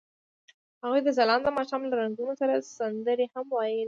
هغوی د ځلانده ماښام له رنګونو سره سندرې هم ویلې.